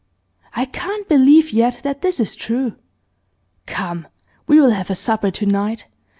I can't believe yet that this is true. Come, we will have a supper to night.